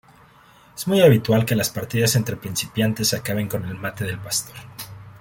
Es muy habitual que las partidas entre principiantes acaben con el mate del pastor.